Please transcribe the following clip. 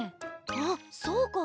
あっそうか。